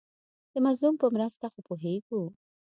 د مظلوم په مرسته خو پوهېږو.